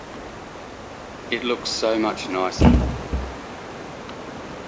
It looks so much nicer.